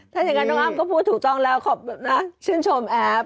ถ้าอย่างนั้นน้องอ้ำก็พูดถูกต้องแล้วขอบคุณนะชื่นชมแอฟ